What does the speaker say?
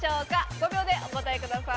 ５秒でお答えください。